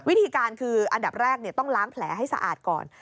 วิธีการคืออันดับแรกต้องล้างแผลให้สะอาดก่อน